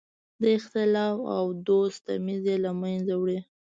د اختلاف او دوست تمیز یې له منځه وړی.